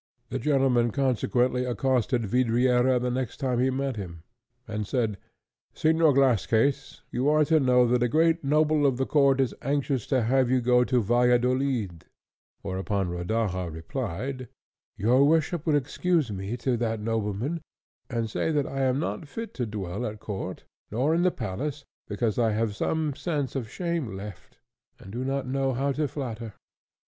The gentleman consequently accosted Vidriera the next time he met him, and said, "Señor Glasscase, you are to know that a great noble of the Court is anxious to have you go to Valladolid;" whereupon Rodaja replied, "Your worship will excuse me to that nobleman, and say that I am not fit to dwell at Court, nor in the Palace, because I have some sense of shame left, and do not know how to flatter."